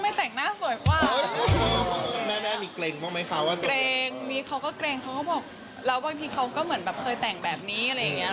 มีเขาก็เกรงเขาก็บอกแล้วบางทีเขาก็เหมือนเคยแต่งแบบนี้อะไรอย่างนี้